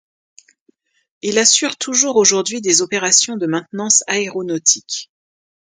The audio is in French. Il assure toujours aujourd'hui des opérations de maintenance aéronautique.